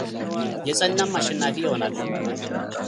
የጸናም አሸናፊ ይሆናል።